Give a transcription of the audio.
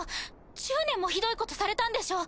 １０年もひどいことされたんでしょ。